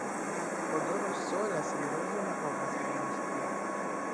Odoro sola sen rozo ne povas ekzisti.